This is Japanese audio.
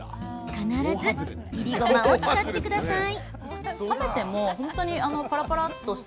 必ず、いりごまを使ってください。